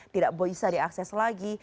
tidak bisa diakses lagi